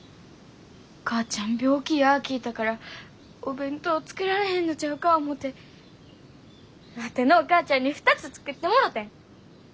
お母ちゃん病気や聞いたからお弁当作られへんのちゃうか思てワテのお母ちゃんに２つ作ってもろてん。